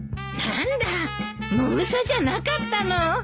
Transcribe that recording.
何だもぐさじゃなかったの。